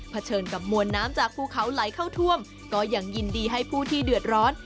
เฉินกับมวลน้ำจากภูเขาไหลเข้าท่วมก็ยังยินดีให้ผู้ที่เดือดร้อน